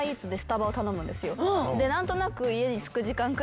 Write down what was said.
で何となく。